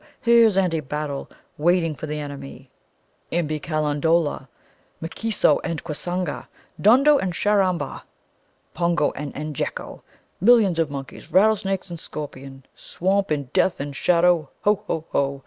Here's Andy Battle, Waiting for the enemy! "Imbe Calandola, M'keesso and Quesanga, Dondo and Sharammba, Pongo and Enjekko, Millions of monkeys, Rattlesnake and scorpion, Swamp and death and shadow; Ho, ho, ho!